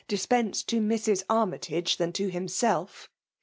dispensed to Mrs. Armytage than to himself.